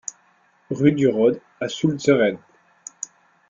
Rue du Rod à Soultzeren